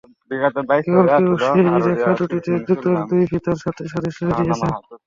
কেউ কেউ সেই রেখা দুটিকে জুতোর দুই ফিতার সাথে সাদৃশ্য দিয়েছেন।